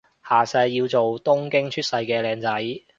下世要做東京出身嘅靚仔